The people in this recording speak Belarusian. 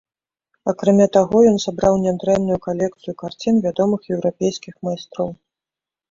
Акрамя таго ён сабраў нядрэнную калекцыю карцін вядомых еўрапейскіх майстроў.